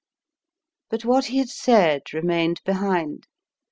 But what he had said remained behind.